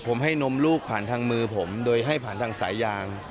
ผมให้นมลูกผ่านทางมือผมโดยให้ผ่านทางสายยาง